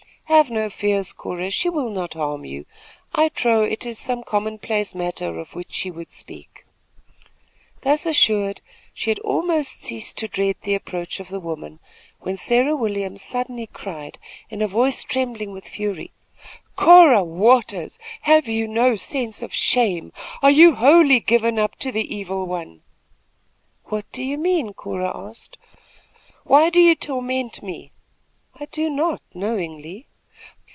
"Have no fears, Cora, she will not harm you. I trow it is some commonplace matter of which she would speak." Thus assured, she had almost ceased to dread the approach of the woman, when Sarah Williams suddenly cried, in a voice trembling with fury: "Cora Waters, have you no sense of shame? Are you wholly given up to the evil one?" "What mean you?" Cora asked. "Why do you torment me?" "I do not, knowingly."